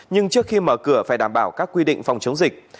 nhưng trước khi mở cửa phải đảm bảo các quy định phòng chống dịch